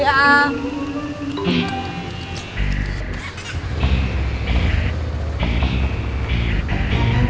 apa sih lu